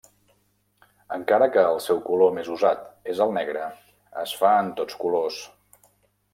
Encara que el seu color més usat és el negre, es fa en tots colors.